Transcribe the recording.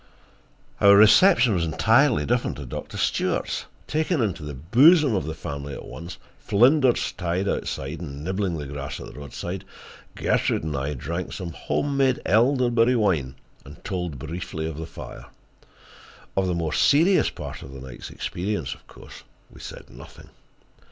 Our reception was entirely different at Doctor Stewart's. Taken into the bosom of the family at once, Flinders tied outside and nibbling the grass at the roadside, Gertrude and I drank some home made elderberry wine and told briefly of the fire. Of the more serious part of the night's experience, of course, we said nothing.